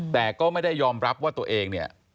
แต่ก็ไม่ได้ยอมรับว่าตัวเองเนี่ย